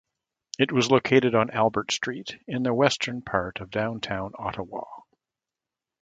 It was located on Albert Street in the western part of downtown Ottawa.